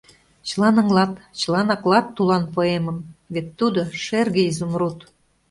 Чылан ыҥлат, чылан аклат тулан поэмым, Вет тудо — шерге изумруд.